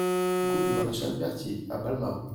RUE DU MARECHAL BERTHIER à Balma